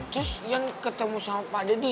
terus iyan ketemu sama pak daddy